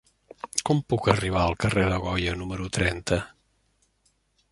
Com puc arribar al carrer de Goya número trenta?